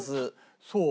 そう。